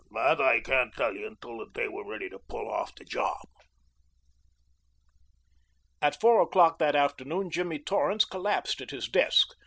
"Dat I can't tell you until the day we're ready to pull off de job." At four o'clock that afternoon Jimmy Torrance collapsed at his desk.